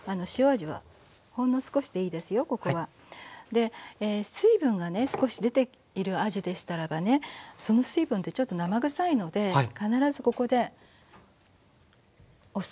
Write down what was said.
で水分がね少し出ているあじでしたらばその水分ってちょっと生ぐさいので必ずここで押さえてね水分を取って下さい。